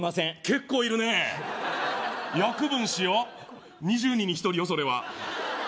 結構いるね約分しよう２０人に１人よそれは約分？